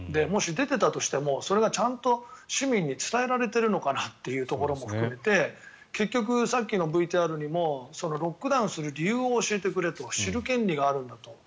もし出てたとしてもそれがちゃんと市民に伝えられているのかなというところも含めて結局、さっきのＶＴＲにもロックダウンする理由を教えてくれと知る権利があるんだと。